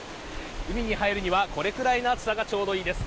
海に入るにはこれくらいの暑さがちょうどいいです。